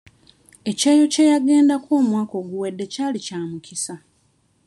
Ekyeyo kye yagendako omwaka oguwedde kyali kya mukisa.